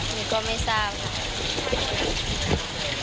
หนูก็ไม่ทราบค่ะ